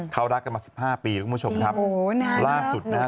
เขารักกันมาสิบห้าปีคุณผู้ชมครับโอ้โหนะฮะล่าสุดนะฮะ